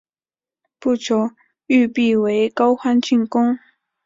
不久玉壁为高欢进攻。